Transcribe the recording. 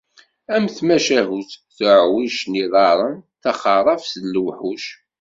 Am tmacahut “Tuɛwijt n yiḍarren, taxerrabt n lewḥuc."